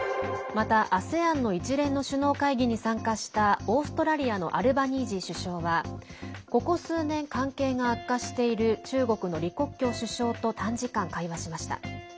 また、ＡＳＥＡＮの一連の首脳会議に参加したオーストラリアのアルバニージー首相はここ数年、関係が悪化している中国の李克強首相と短時間会話しました。